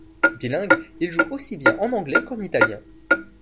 Bilingue, il joue aussi bien en anglais qu'en italien.